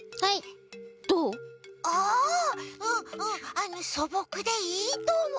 あのそぼくでいいとおもう。